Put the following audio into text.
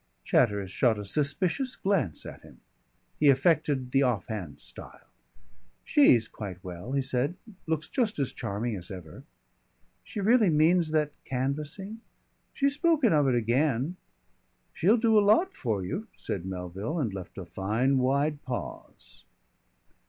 Chatteris shot a suspicious glance at him. He affected the offhand style. "She's quite well," he said. "Looks just as charming as ever." "She really means that canvassing?" "She's spoken of it again." "She'll do a lot for you," said Melville, and left a fine wide pause.